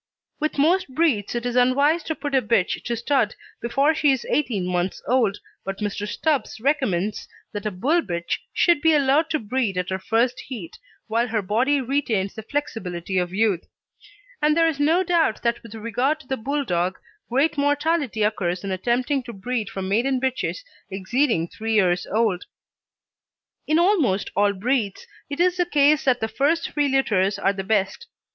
With most breeds it is unwise to put a bitch to stud before she is eighteen months old, but Mr. Stubbs recommends that a Bull bitch should be allowed to breed at her first heat, while her body retains the flexibility of youth; and there is no doubt that with regard to the Bulldog great mortality occurs in attempting to breed from maiden bitches exceeding three years old. In almost all breeds it is the case that the first three litters are the best.